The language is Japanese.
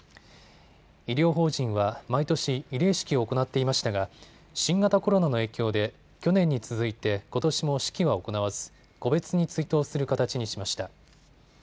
医療法人は毎年、慰霊式を行っていましたが新型コロナの影響で去年に続いてことしも式は行わず個別に追悼する形にしました。